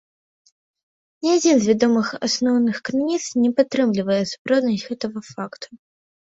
Ні адзін з вядомых асноўных крыніц не падтрымлівае сапраўднасць гэтага факту.